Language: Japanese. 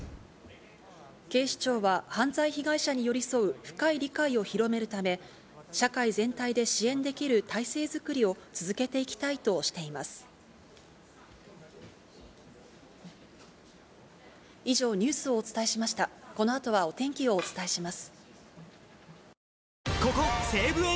警視庁は犯罪被害者に寄り添う深い理解を広めるため、社会全体で支援できる体制作りを続けてお天気をお伝えします。